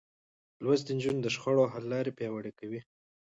لوستې نجونې د شخړو حل لارې پياوړې کوي.